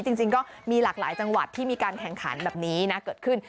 จริงก็มีหลากหลายจังหวัดที่มีการแข่งขันแบบนี้นะเกิดขึ้น